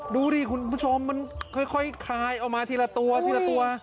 ดูดิคุณผู้ชมมันค่อยคลายเอามาทีละตัวทีละตัว